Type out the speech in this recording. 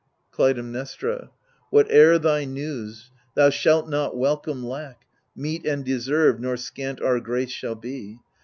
Clytemnestra Whate'er thy news, thou shalt not welcome lack, Meet and deserved, nor scant our grace shall be.